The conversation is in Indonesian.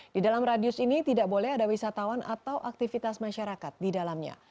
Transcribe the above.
di dalam radius ini tidak boleh ada wisatawan atau aktivitas masyarakat di dalamnya